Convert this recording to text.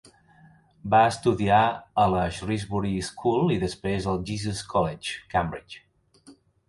Va estudiar a la Shrewsbury School i després al Jesus College, Cambridge.